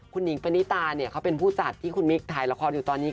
คุณหิงปณิตาเนี่ยเขาเป็นผู้จัดที่คุณมิ๊กถ่ายละครอยู่ตอนนี้